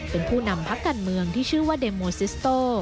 เป็นผู้นำพักการเมืองที่ชื่อว่าเดมโมซิสโต